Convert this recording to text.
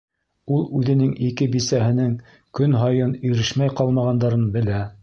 Ул үҙенең ике бисәһенең көн һайын ирешмәй ҡалмағандарын белә.